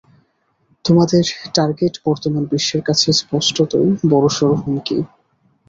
তোমাদের টার্গেট বর্তমান বিশ্বের কাছে স্পষ্টতই বড়োসড়ো হুমকি।